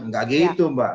enggak gitu mbak